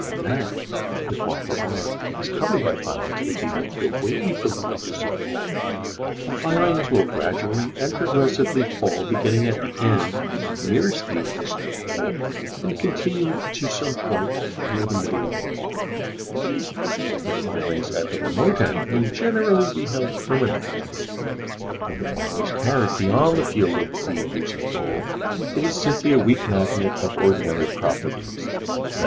Now, if while the bar is covered by filings it be moved away from the inducing pole, the filings will gradually and progressively fall, beginning at the end nearest the inducing pole and continuing to some point near the middle of the bar; the filings at the remote end will generally be held permanently. When the bar is carried beyond the field of the inducing pole it is simply a weak magnet of ordinary properties _i. e.